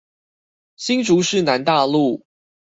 新竹市南大路